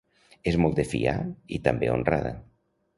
És molt de fiar i també honrada.